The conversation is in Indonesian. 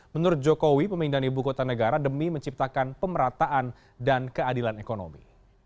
menurut jokowi pemindahan ibu kota negara demi menciptakan pemerataan dan keadilan ekonomi